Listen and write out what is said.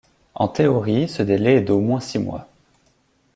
En théorie, ce délai est d'au moins six mois.